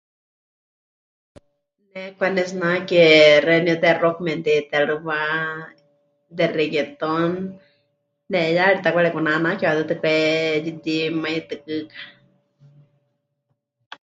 Ne kwanetsinake xeeníu de rock memɨte'itérɨwa, de reguetón, ne'iyaarita pɨkarekunanake, waʼatɨɨ́tɨ kweyutimaitɨkɨka.